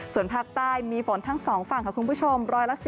ส่วนภาคใต้มีฝนทั้ง๒ฝั่งค่ะคุณผู้ชม๑๔